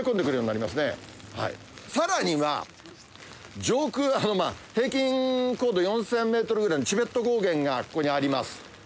さらには上空あのまあ平均高度４０００メートルぐらいのチベット高原がここにあります。